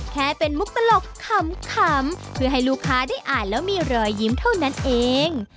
แค่เป็นมุกตลกขำเพื่อให้ลูกค้าได้อ่านแล้วมีรอยยิ้มเท่านั้นเอง